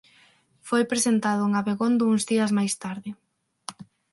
Foi presentado en Abegondo uns días máis tarde.